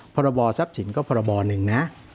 พรบทรัพย์สินก็พรบหนึ่งนะ